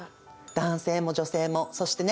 男性も女性もそしてね